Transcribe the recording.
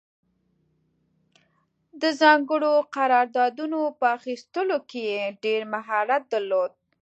د ځانګړو قراردادونو په اخیستلو کې یې ډېر مهارت درلود.